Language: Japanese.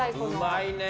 うまいね。